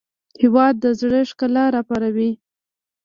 هېواد د زړه ښکلا راپاروي.